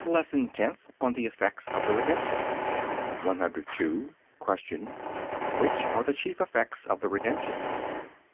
LESSON TENTH ON THE EFFECTS OF THE REDEMPTION 102. Q. Which are the chief effects of the Redemption?